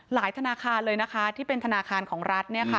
ธนาคารเลยนะคะที่เป็นธนาคารของรัฐ